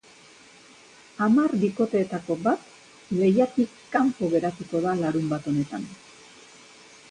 Hamar bikoteetako bat lehiatik kanpo geratuko da larunbat honetan.